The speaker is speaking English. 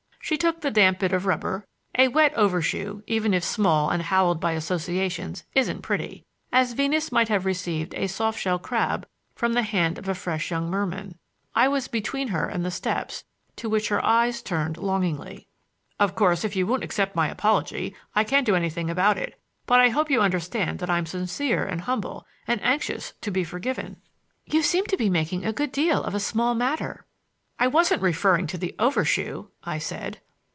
She took the damp bit of rubber—a wet overshoe, even if small and hallowed by associations, isn't pretty—as Venus might have received a soft shell crab from the hand of a fresh young merman. I was between her and the steps to which her eyes turned longingly. "Of course, if you won't accept my apology I can't do anything about it; but I hope you understand that I'm sincere and humble, and anxious to be forgiven." "You seem to be making a good deal of a small matter—" "I wasn't referring to the overshoe!" I said.